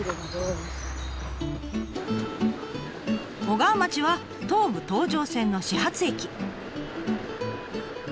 小川町は東武東上線の始発駅。